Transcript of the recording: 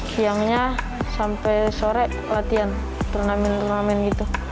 siangnya sampai sore latihan turnamen turnamen gitu